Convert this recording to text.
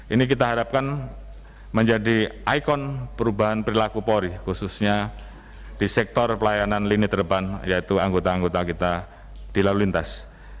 ini kita harapkan menjadi ikon perubahan perilaku polri khususnya di sektor pelayanan lini terdepan yaitu anggota anggota kita di lalu lintas